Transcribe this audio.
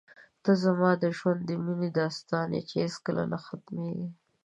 ته زما د ژوند د مینې داستان یې چې هېڅکله نه ختمېږي.